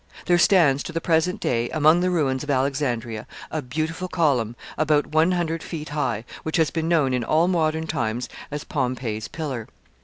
There stands to the present day, among the ruins of Alexandria, a beautiful column, about one hundred feet high, which has been known in all modern times as POMPEY'S PILLAR.